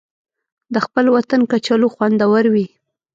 د خپل وطن کچالو خوندور وي